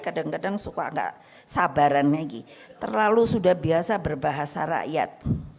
kadang kadang suka enggak sabaran lagi terlalu sudah biasa berbahasa rakyat